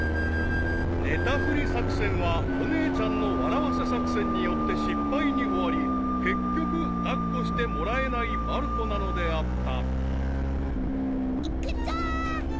［寝たふり作戦はお姉ちゃんの笑わせ作戦によって失敗に終わり結局抱っこしてもらえないまる子なのであった］